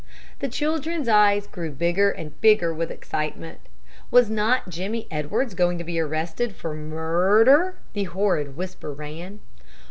The children's eyes grew bigger and bigger with excitement. Was not Jimmy Edwards going to be arrested for mur r rder? the horrid whisper ran.